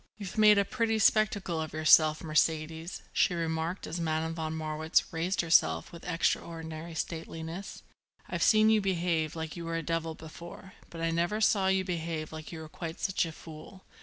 "You've made a pretty spectacle of yourself, Mercedes," she remarked as Madame von Marwitz raised herself with extraordinary stateliness. "I've seen you behave like you were a devil before, but I never saw you behave like you were quite such a fool.